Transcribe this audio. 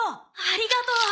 ありがとう！